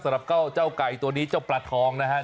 สำหรับเจ้าไก่ตัวนี้เจ้าปลาทองนะครับ